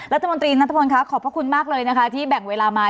รัฐมนตรีนัทพลค่ะขอบพระคุณมากเลยนะคะที่แบ่งเวลามา